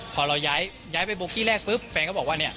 พอเราย้ายไปโบกี้แรกปุ๊บแฟนก็บอกว่าเนี่ย